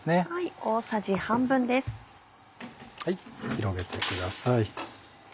広げてください。